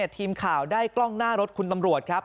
ทีมข่าวได้กล้องหน้ารถคุณตำรวจครับ